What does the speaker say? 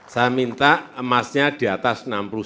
saya minta emasnya di atas enam puluh sembilan